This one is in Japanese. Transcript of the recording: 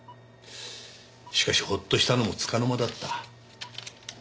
しかしほっとしたのもつかの間だった。